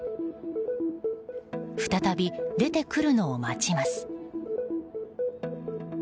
再び出てくるのを待ちます。